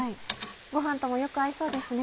ご飯ともよく合いそうですね。